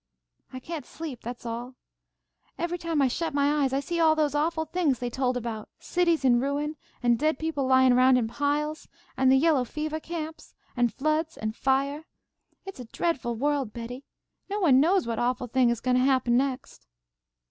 "I can't sleep. That's all. Every time I shut my eyes I see all those awful things they told about: cities in ruins, and dead people lying around in piles, and the yellow fevah camps, and floods and fiah. It is a dreadful world, Betty. No one knows what awful thing is goin' to happen next."